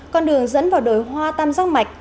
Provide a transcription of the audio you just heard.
con đường dẫn vào đồi hoa tam giác mạch